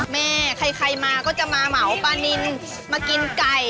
แม่ใครมาก็จะมาเหมาปลานินมากินไก่